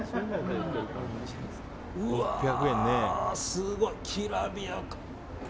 すごい、きらびやか。